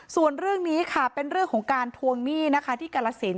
ส่วนเรื่องนี้ค่ะเป็นเรื่องของการทวงหนี้นะคะที่กาลสิน